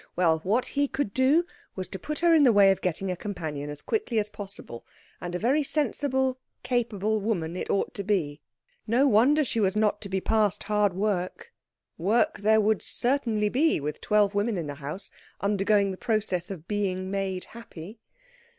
Well, what he could do was to put her in the way of getting a companion as quickly as possible, and a very sensible, capable woman it ought to be. No wonder she was not to be past hard work. Work there would certainly be, with twelve women in the house undergoing the process of being made happy.